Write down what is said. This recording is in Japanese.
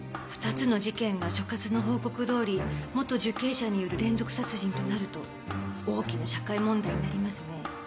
２つの事件が所轄の報告どおり元受刑者による連続殺人となると大きな社会問題になりますね。